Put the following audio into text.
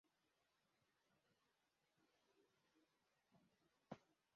ese ntimunywa namwe